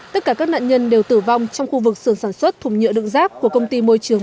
tất cả các nạn nhân đều tử vong trong khu vực xưởng sản xuất thùng nhựa đựng rác của công ty môi trường bảy mươi chín